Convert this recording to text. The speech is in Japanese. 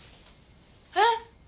えっ？